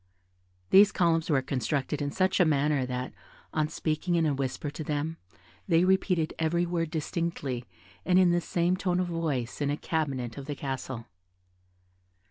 These columns were constructed in such a manner that, on speaking in a whisper to them, they repeated every word distinctly, and in the same tone of voice, in a cabinet of the castle.